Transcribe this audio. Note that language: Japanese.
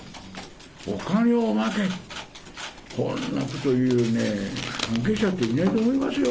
お金をまけ、こんなこと言うね、関係者っていないと思いますよ。